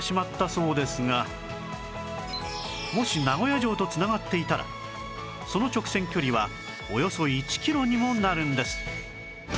もし名古屋城と繋がっていたらその直線距離はおよそ１キロにもなるんです